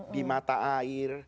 di mata air